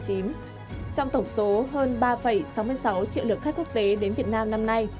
trong tổng số hơn ba sáu mươi sáu triệu lượt khách quốc tế đến việt nam năm nay